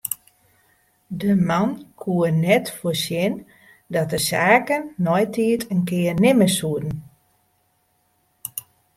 De man koe net foarsjen dat de saken neitiid in kear nimme soene.